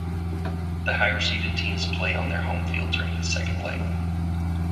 The higher seeded teams play on their home field during the second leg.